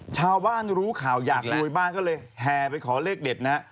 ชาวบ้านรู้ข่าวอยากรวยบ้านก็เลยแห่ไปขอเลขเด็ดนะฮะ